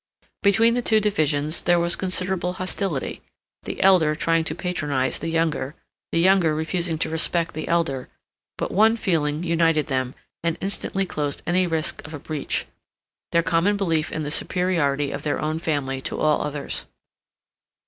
Between the two divisions there was considerable hostility, the elder trying to patronize the younger, the younger refusing to respect the elder; but one feeling united them and instantly closed any risk of a breach—their common belief in the superiority of their own family to all others.